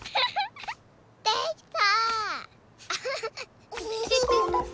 できた！